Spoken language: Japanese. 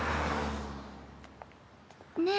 ねえ。